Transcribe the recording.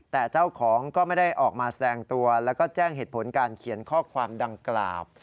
แต่เจ้าของก็ไม่ได้ออกมาแสดงตัวแล้วก็แจ้งเหตุผลการเขียนข้อความดังกล่าว